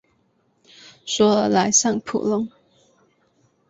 索尔莱尚普隆。